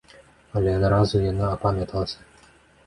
Але адразу яна апамяталася.